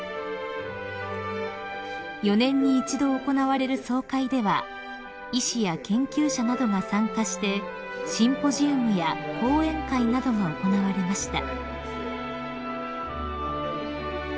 ［４年に一度行われる総会では医師や研究者などが参加してシンポジウムや講演会などが行われました］